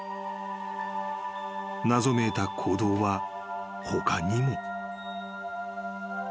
［謎めいた行動は他にも］